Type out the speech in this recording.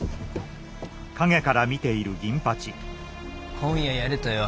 今夜やれとよ。